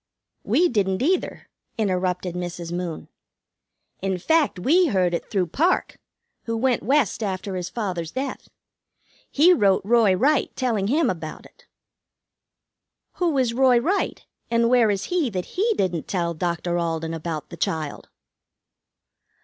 "We didn't, either," interrupted Mrs. Moon. "In fact, we heard it through Parke, who went West after his father's death. He wrote Roy Wright, telling him about it." "Who is Roy Wright, and where is he, that he didn't tell Dr. Alden about the child?"